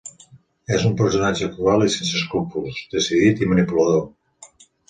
És un personatge cruel i sense escrúpols, decidit i manipulador.